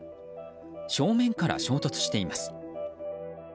正面から衝突しています。